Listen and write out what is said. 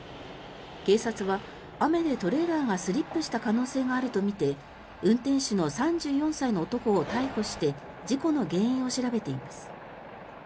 警察は、雨でトレーラーがスリップした可能性があるとみて運転手の３４歳の男を逮捕して事故の原因を調べています。